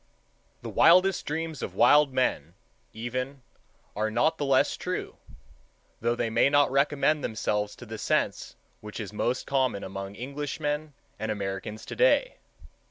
The wildest dreams of wild men, even, are not the less true, though they may not recommend themselves to the sense which is most common among Englishmen and Americans to day.